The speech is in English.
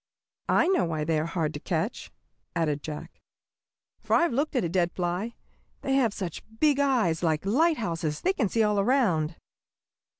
"I know why they are hard to catch," added Jack, "for I've looked at a dead fly. They have such big eyes, like lighthouses, they can see all around."